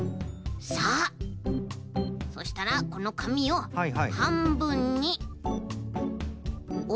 さあそしたらこのかみをはんぶんにおって。